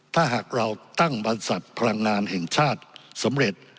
ถ้าหากเราตั้งบรรษัทพลังงานแห่งชาติสำเร็จ